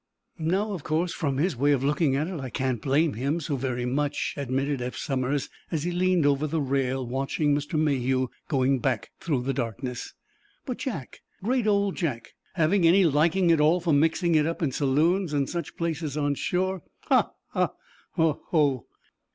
"Now, of course, from his way of looking at it, I can't blame him so very much," admitted Eph Somers, as he leaned over the rail, watching Mr. Mayhew going back through the darkness. "But Jack—great old Jack!—having any liking at all for mixing up in saloons and such places on shore! Ha, ha! Ho, ho!"